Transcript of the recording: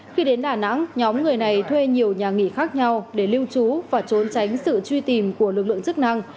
khi đến đà nẵng nhóm người này thuê nhiều nhà nghỉ khác nhau để lưu trú và trốn tránh sự truy tìm của lực lượng chức năng